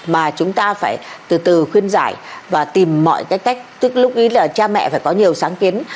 mà chúng ta phải từ từ khuyên giải và tìm mọi cách tức lúc ý là cha mẹ phải có nhiều sáng kiến